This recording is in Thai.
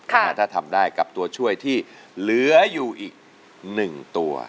ถ้าทำได้กับตัวช่วยที่เหลืออยู่อีกหนึ่งตัว